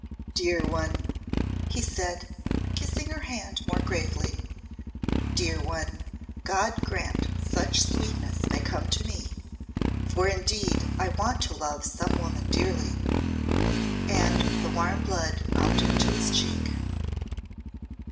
"Dear one!" he said, kissing her hand more gravely; "dear one, God grant such sweetness may come to me for indeed I want to love some woman dearly," and the warm blood mounted to his cheek.